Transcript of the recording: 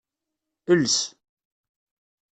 Els.